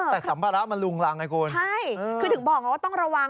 แต่สัมภาระมันลุงรังไงคุณใช่คือถึงบอกไงว่าต้องระวัง